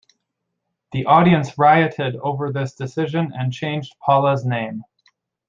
The audience rioted over this decision and changed Paula's name.